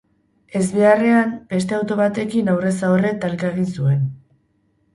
Ezbeharrean, beste auto batekin aurrez-aurre talka egin zuen.